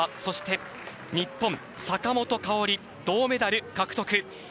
そして日本、坂本花織銅メダル獲得！